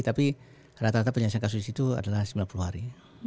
tapi rata rata penyelesaian kasus itu adalah sembilan puluh hari